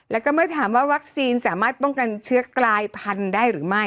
แล้วก็เมื่อถามว่าวัคซีนสามารถป้องกันเชื้อกลายพันธุ์ได้หรือไม่